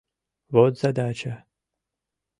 Вот задача...